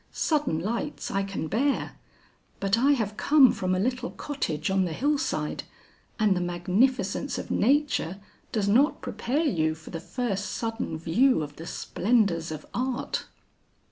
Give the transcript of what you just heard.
"Sudden lights I can bear, but I have come from a little cottage on the hillside and the magnificence of nature does not prepare you for the first sudden view of the splendors of art."